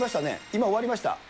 今、終わりました。